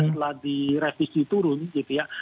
setelah di revisi turun gitu ya